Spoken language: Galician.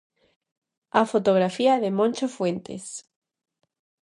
A fotografía é de Moncho Fuentes.